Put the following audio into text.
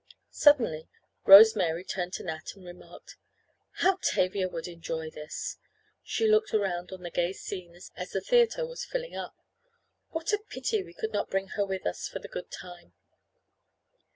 Suddenly Rose Mary turned to Nat and remarked: "How Tavia would enjoy this." She looked around on the gay scene as the theatre was filling up. "What a pity we could not bring her with us for the good time."